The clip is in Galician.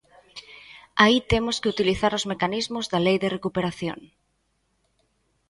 Aí temos que utilizar os mecanismos da Lei de recuperación.